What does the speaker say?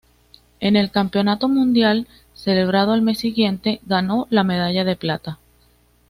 En el Campeonato Mundial, celebrado al mes siguiente, ganó la medalla de plata.